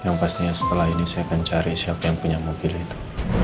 yang pastinya setelah ini saya akan cari siapa yang punya mobil itu